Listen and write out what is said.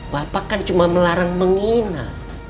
bapak kan cuma melarang menghina